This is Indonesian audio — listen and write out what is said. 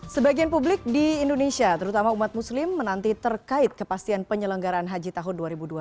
sebagian publik di indonesia terutama umat muslim menanti terkait kepastian penyelenggaran haji tahun dua ribu dua puluh